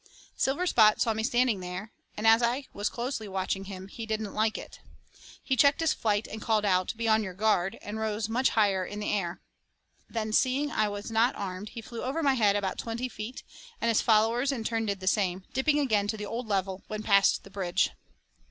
Silverspot saw me standing there, and as I was closely watching him he didn't like it. He checked his flight and called out, 'Be on your guard,' and rose much higher in the air. Then seeing that I was not armed he flew over my head about twenty feet, and his followers in turn did the same, dipping again to the old level when past the bridge.